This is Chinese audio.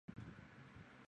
在场上的位置是中坚。